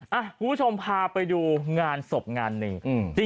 คุณผู้ชมพาไปดูงานศพงานหนึ่ง